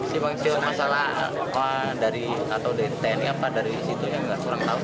simbang siur masalah dari atau dari tni apa dari situ yang kurang tahu sih